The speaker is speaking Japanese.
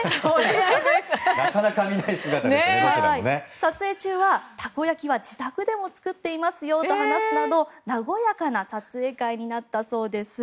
撮影中はたこ焼きは自宅でも作っていますよと話すなど和やかな撮影会になったそうです。